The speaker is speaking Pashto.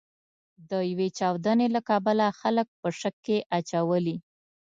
د یوې چاودنې له کبله خلک په شک کې اچولي.